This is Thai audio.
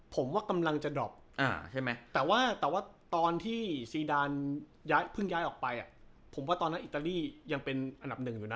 ผมว่ากำลังจะดรอปใช่ไหมแต่ว่าตอนที่ซีดานเพิ่งย้ายออกไปผมว่าตอนนั้นอิตาลียังเป็นอันดับหนึ่งอยู่นะ